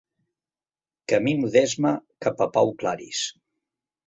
Camino d'esma cap a Pau Claris.